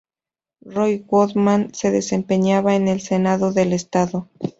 Roy Goodman se desempeñaba en el Senado del Estado.